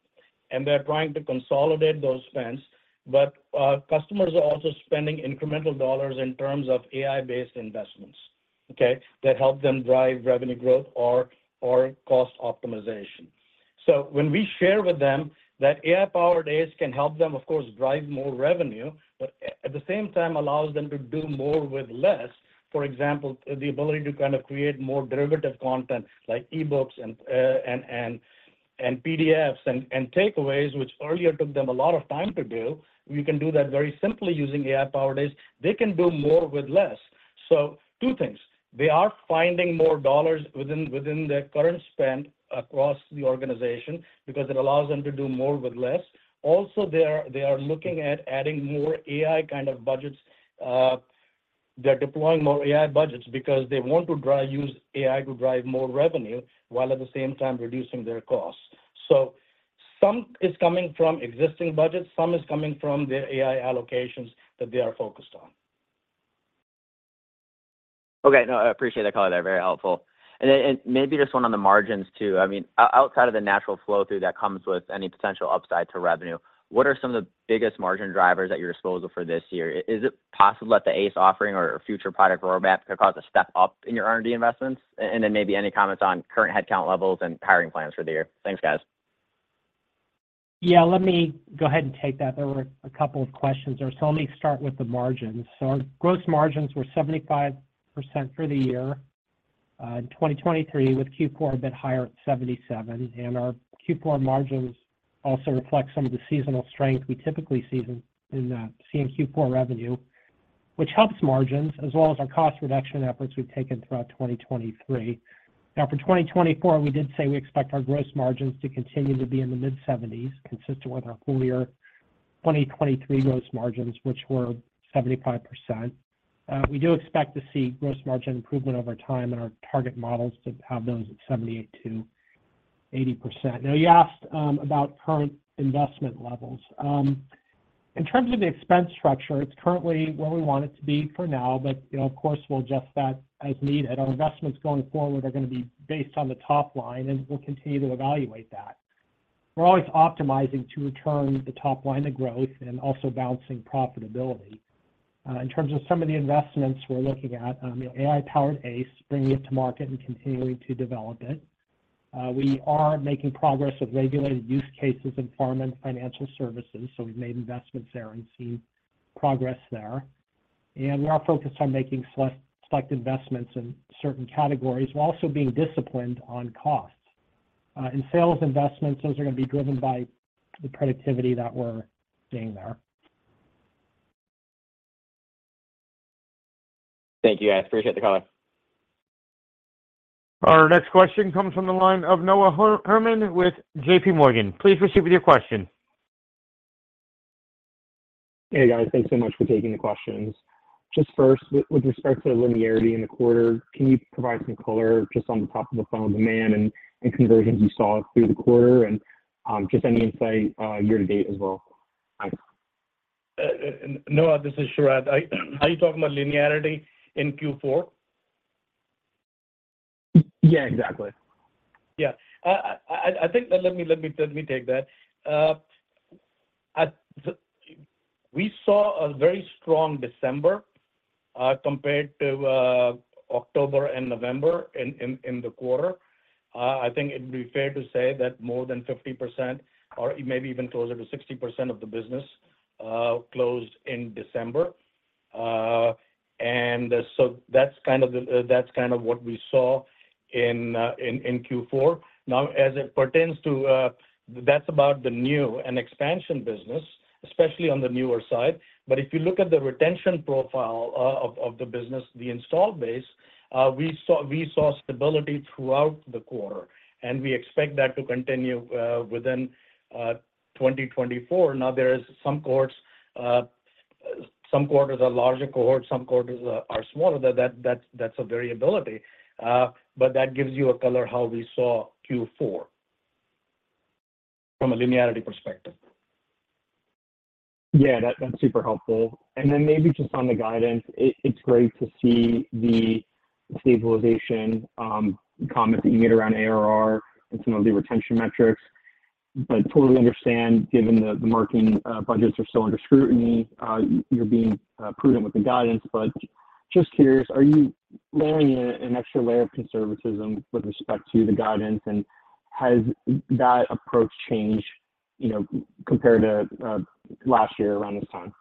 and they're trying to consolidate those spends. But, customers are also spending incremental dollars in terms of AI-based investments, okay, that help them drive revenue growth or cost optimization. So when we share with them that AI-powered ACE can help them, of course, drive more revenue, but at the same time, allows them to do more with less. For example, the ability to kind of create more derivative content like e-books and PDFs and takeaways, which earlier took them a lot of time to do, we can do that very simply using AI-powered ACE. They can do more with less. So two things: They are finding more dollars within their current spend across the organization because it allows them to do more with less. Also, they are looking at adding more AI kind of budgets. They're deploying more AI budgets because they want to use AI to drive more revenue, while at the same time reducing their costs. So some is coming from existing budgets, some is coming from their AI allocations that they are focused on. Okay, No, I, I appreciate that color there. Very helpful. And then, and maybe just one on the margins, too. I mean, outside of the natural flow-through that comes with any potential upside to revenue, what are some of the biggest margin drivers at your disposal for this year? Is it possible that the ACE offering or future product roadmap could cause a step up in your R&D investments? And then maybe any comments on current headcount levels and hiring plans for the year. Thanks, guys. Yeah, let me go ahead and take that. There were a couple of questions there, so let me start with the margins. So our gross margins were 75% for the year in 2023, with Q4 a bit higher at 77%. And our Q4 margins also reflect some of the seasonal strength we typically see in Q4 revenue, which helps margins, as well as our cost reduction efforts we've taken throughout 2023. Now, for 2024, we did say we expect our gross margins to continue to be in the mid-70s%, consistent with our full year 2023 gross margins, which were 75%. We do expect to see gross margin improvement over time in our target models to have those at 78% to- 80%. Now, you asked about current investment levels. In terms of the expense structure, it's currently where we want it to be for now, but, you know, of course, we'll adjust that as needed. Our investments going forward are gonna be based on the top line, and we'll continue to evaluate that. We're always optimizing to return the top line of growth and also balancing profitability. In terms of some of the investments we're looking at, you know, AI-powered ACE, bringing it to market and continuing to develop it. We are making progress with regulated use cases in pharma and financial services, so we've made investments there and seen progress there. We are focused on making select, select investments in certain categories, while also being disciplined on costs. In sales investments, those are gonna be driven by the productivity that we're seeing there. Thank you, guys. Appreciate the call. Our next question comes from the line of Noah Herman with J.P. Morgan. Please proceed with your question. Hey, guys. Thanks so much for taking the questions. Just first, with respect to linearity in the quarter, can you provide some color just on the top of the funnel demand and conversions you saw through the quarter? Just any insight year to date as well? Noah, this is Sharat. Are you talking about linearity in Q4? Yeah, exactly. Yeah. I think... Let me take that. At the- we saw a very strong December compared to October and November in the quarter. I think it would be fair to say that more than 50%, or maybe even closer to 60% of the business closed in December. And so that's kind of the that's kind of what we saw in in Q4. Now, as it pertains to... That's about the new and expansion business, especially on the newer side. But if you look at the retention profile of the business, the install base, we saw stability throughout the quarter, and we expect that to continue within 2024. Now, there is some cohorts, some quarters are larger cohorts, some quarters are smaller. That's a variability, but that gives you a color how we saw Q4 from a linearity perspective. Yeah, that's super helpful. And then maybe just on the guidance, it's great to see the stabilization comment that you made around ARR and some of the retention metrics. But totally understand, given the marketing budgets are still under scrutiny, you're being prudent with the guidance. But just curious, are you layering in an extra layer of conservatism with respect to the guidance? And has that approach changed, you know, compared to last year around this time?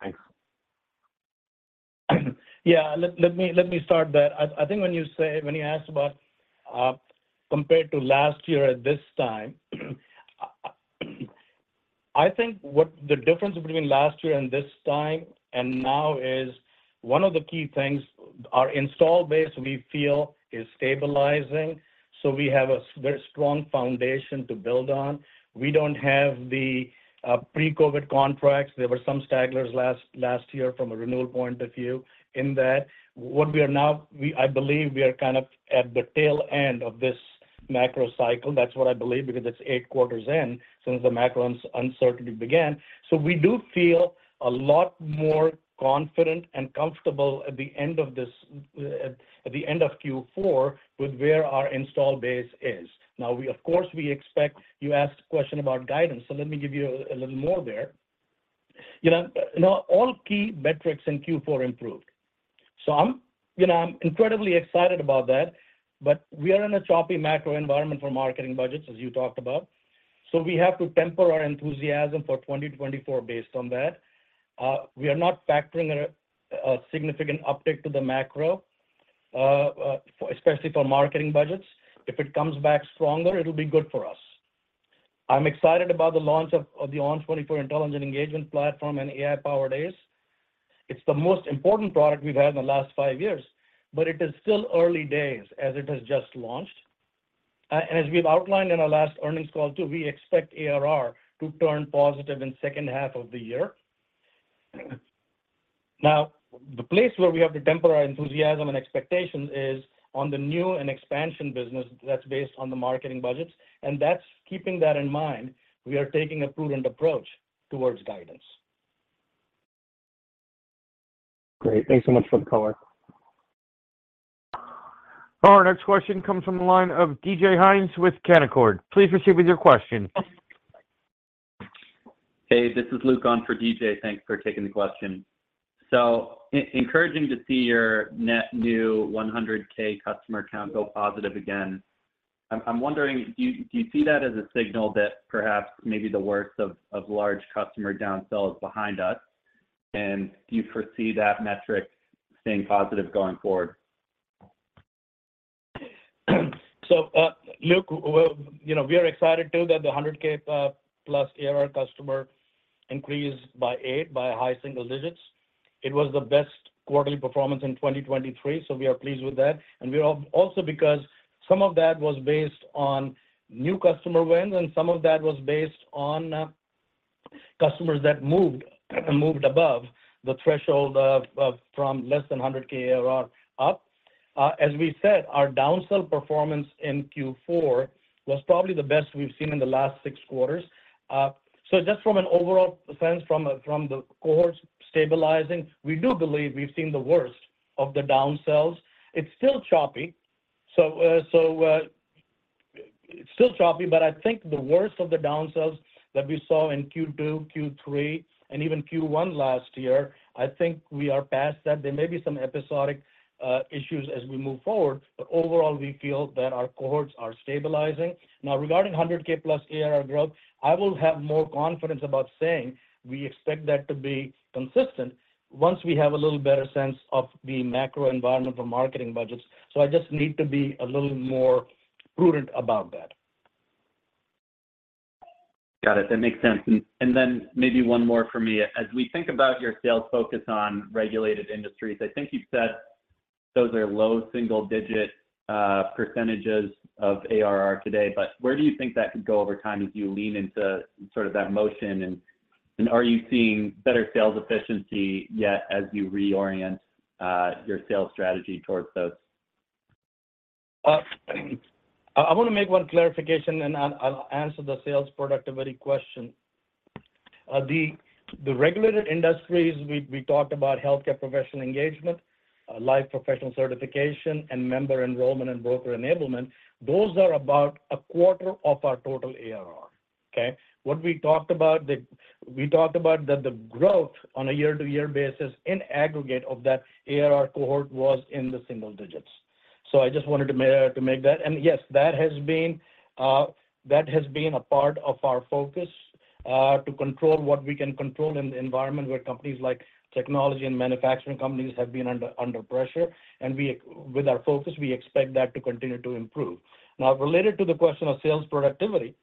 Thanks. Yeah, let me start that. I think when you say, when you asked about, compared to last year at this time, I think what the difference between last year and this time and now is, one of the key things, our install base, we feel, is stabilizing. So we have a very strong foundation to build on. We don't have the pre-COVID contracts. There were some stragglers last year from a renewal point of view in that. What we are now, we, I believe we are kind of at the tail end of this macro cycle. That's what I believe, because it's eight quarters in since the macro uncertainty began. So we do feel a lot more confident and comfortable at the end of this, at the end of Q4, with where our install base is. Now, we, of course, we expect... You asked a question about guidance, so let me give you a little more there. You know, now all key metrics in Q4 improved. So I'm, you know, I'm incredibly excited about that, but we are in a choppy macro environment for marketing budgets, as you talked about. So we have to temper our enthusiasm for 2024 based on that. We are not factoring a significant uptick to the macro, especially for marketing budgets. If it comes back stronger, it'll be good for us. I'm excited about the launch of the ON24 Intelligent Engagement Platform and AI-powered ACE. It's the most important product we've had in the last five years, but it is still early days as it has just launched. And as we've outlined in our last earnings call, too, we expect ARR to turn positive in second half of the year. Now, the place where we have to temper our enthusiasm and expectations is on the new and expansion business that's based on the marketing budgets, and that's... keeping that in mind, we are taking a prudent approach towards guidance. Great. Thanks so much for the color. Our next question comes from the line of DJ Hynes with Canaccord. Please proceed with your question. Hey, this is Luke on for DJ. Thanks for taking the question. So encouraging to see your net new 100K customer count go positive again. I'm wondering, do you see that as a signal that perhaps maybe the worst of large customer downsell is behind us? And do you foresee that metric staying positive going forward? So, Luke, well, you know, we are excited too, that the 100K plus ARR customer increased by 8, by high single digits. It was the best quarterly performance in 2023, so we are pleased with that. And we are also because some of that was based on new customer wins, and some of that was based on customers that moved above the threshold of from less than 100K ARR or up. As we said, our downsell performance in Q4 was probably the best we've seen in the last six quarters. So just from an overall sense, from the cohorts stabilizing, we do believe we've seen the worst of the downsells. It's still choppy, so it's still choppy, but I think the worst of the downsells that we saw in Q2, Q3, and even Q1 last year, I think we are past that. There may be some episodic issues as we move forward, but overall, we feel that our cohorts are stabilizing. Now, regarding 100K plus ARR growth, I will have more confidence about saying we expect that to be consistent once we have a little better sense of the macro environment for marketing budgets. So I just need to be a little more prudent about that. Got it. That makes sense. And then maybe one more for me. As we think about your sales focus on regulated industries, I think you've said those are low single-digit % of ARR today, but where do you think that could go over time as you lean into sort of that motion? And are you seeing better sales efficiency yet as you reorient your sales strategy towards those? I wanna make one clarification, and I'll answer the sales productivity question. The regulated industries, we talked about healthcare professional engagement, licensed professional certification, and member enrollment and broker enablement. Those are about a quarter of our total ARR, okay? We talked about that the growth on a year-over-year basis in aggregate of that ARR cohort was in the single digits. So I just wanted to make that. And yes, that has been a part of our focus, to control what we can control in the environment where companies like technology and manufacturing companies have been under pressure, and we, with our focus, we expect that to continue to improve. Now, related to the question of sales productivity,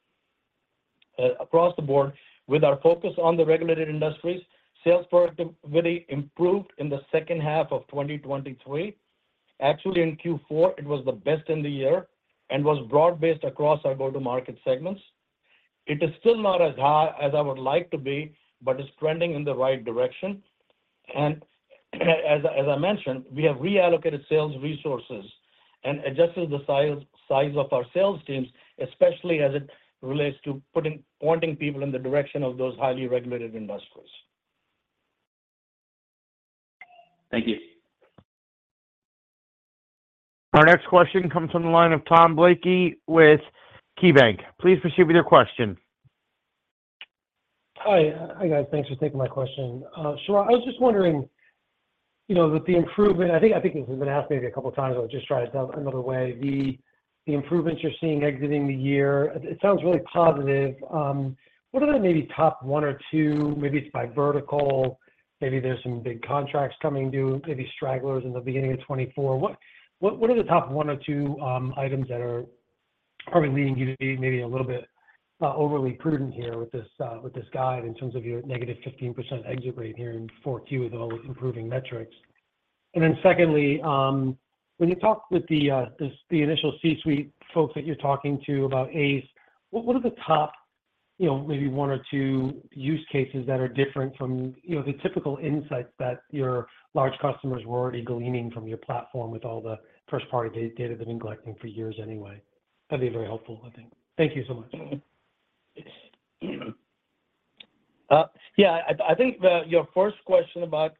across the board, with our focus on the regulated industries, sales productivity improved in the second half of 2023. Actually, in Q4, it was the best in the year and was broad-based across our go-to-market segments. It is still not as high as I would like to be, but it's trending in the right direction. As I mentioned, we have reallocated sales resources and adjusted the size of our sales teams, especially as it relates to pointing people in the direction of those highly regulated industries. Thank you. Our next question comes from the line of Tom Blakey with KeyBanc. Please proceed with your question. Hi. Hi, guys. Thanks for taking my question. Sharat, I was just wondering, you know, that the improvement, I think this has been asked maybe a couple of times, I'll just try it out another way. The improvements you're seeing exiting the year, it sounds really positive. What are the maybe top one or two, maybe it's by vertical, maybe there's some big contracts coming due, maybe stragglers in the beginning of 2024. What are the top one or two items that are probably leading you to be maybe a little bit overly prudent here with this guide in terms of your -15% exit rate here in Q4 with all the improving metrics? And then secondly, when you talk with the initial C-suite folks that you're talking to about ACE, what are the top, you know, maybe one or two use cases that are different from, you know, the typical insights that your large customers were already gleaning from your platform with all the first-party data they've been collecting for years anyway? That'd be very helpful, I think. Thank you so much. Yeah, I think that your first question about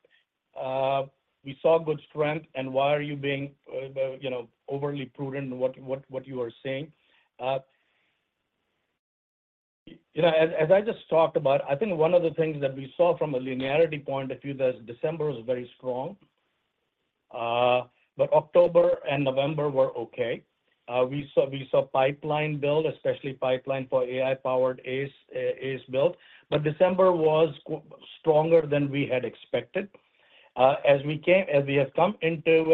we saw good strength and why are you being, you know, overly prudent, what you are saying. You know, as I just talked about, I think one of the things that we saw from a linearity point of view, that December was very strong. But October and November were okay. We saw pipeline build, especially pipeline for AI-powered ACE, ACE build, but December was stronger than we had expected. As we have come into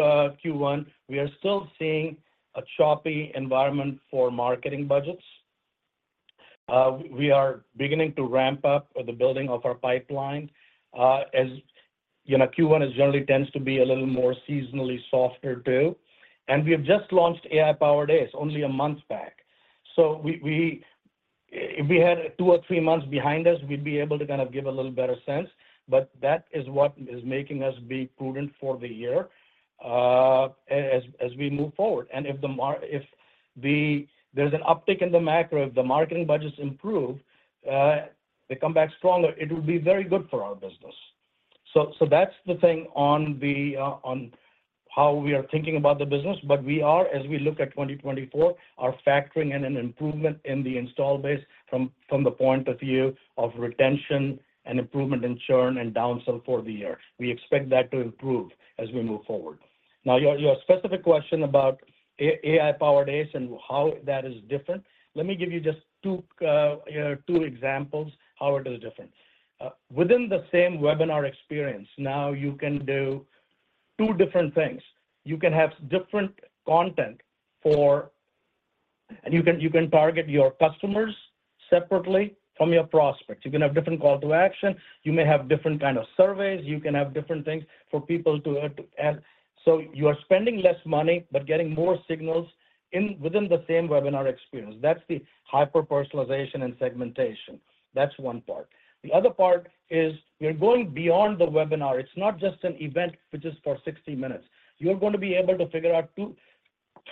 Q1, we are still seeing a choppy environment for marketing budgets. We are beginning to ramp up the building of our pipeline. As you know, Q1 is generally tends to be a little more seasonally softer, too. We have just launched AI-powered ACE, only a month back. So, if we had two or three months behind us, we'd be able to kind of give a little better sense, but that is what is making us be prudent for the year, as we move forward. If there's an uptick in the macro, if the marketing budgets improve, they come back stronger, it will be very good for our business. So that's the thing on how we are thinking about the business, but we are, as we look at 2024, are factoring in an improvement in the install base from the point of view of retention and improvement in churn and downsell for the year. We expect that to improve as we move forward. Now, your specific question about AI-powered ACE and how that is different, let me give you just two examples, how it is different. Within the same webinar experience, now you can do two different things. You can have different content for. And you can target your customers separately from your prospects. You can have different call to action, you may have different kind of surveys, you can have different things for people to add. So you are spending less money, but getting more signals within the same webinar experience. That's the hyper-personalization and segmentation. That's one part. The other part is we are going beyond the webinar. It's not just an event, which is for 60 minutes. You're gonna be able to figure out two,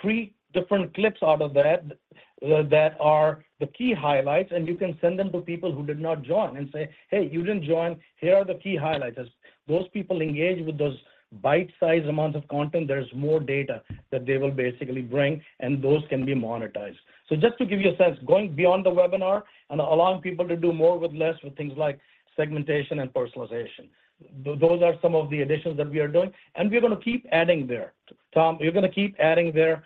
three different clips out of that that are the key highlights, and you can send them to people who did not join and say, "Hey, you didn't join. Here are the key highlights." As those people engage with those bite-sized amounts of content, there's more data that they will basically bring, and those can be monetized. So just to give you a sense, going beyond the webinar and allowing people to do more with less with things like segmentation and personalization. Those are some of the additions that we are doing, and we're gonna keep adding there. Tom, we're gonna keep adding there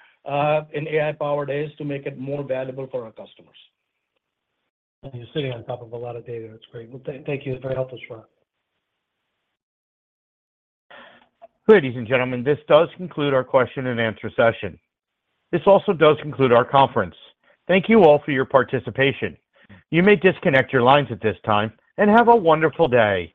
in AI-powered ACE to make it more valuable for our customers. You're sitting on top of a lot of data. It's great. Well, thank you. It's very helpful, Sharat. Ladies and gentlemen, this does conclude our question and answer session. This also does conclude our conference. Thank you all for your participation. You may disconnect your lines at this time, and have a wonderful day.